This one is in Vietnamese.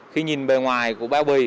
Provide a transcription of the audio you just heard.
khi nhìn bề ngoài của bao bì